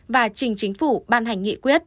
và trình chính phủ ban hành nghị quyết